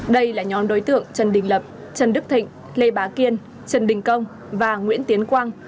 đây là nhóm đối tượng trần đình lập trần đức thịnh lê bá kiên trần đình công và nguyễn tiến quang